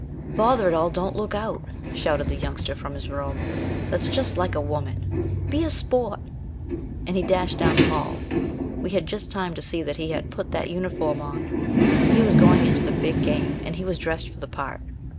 "Bother it all, don't look out," shouted the Youngster from his room. "That's just like a woman! Be a sport!" And he dashed down the hall. We had just time to see that he had "put that uniform on." He was going into the big game, and he was dressed for the part.